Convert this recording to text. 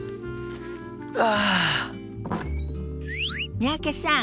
三宅さん